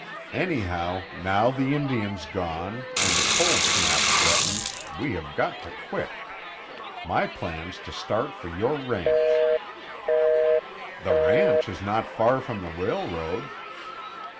Anyhow, now the Indian's gone, and a cold snap threatens, we have got to quit. My plan's to start for your ranch." "The ranch is not far from the railroad."